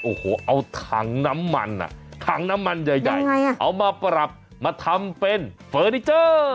โอ้โหเอาถังน้ำมันอ่ะถังน้ำมันใหญ่เอามาปรับมาทำเป็นเฟอร์นิเจอร์